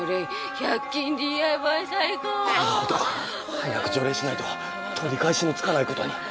早く除霊しないと取り返しのつかないことに。